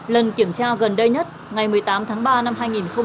lần kiểm tra gần đây nhất ngày một mươi tám tháng ba năm hai nghìn hai mươi